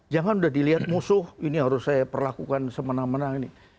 jangan udah dilihat musuh ini harus saya perlakukan semenang menang ini